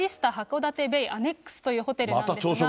ラビスタ函館ベイアネックスというホテルなんですが。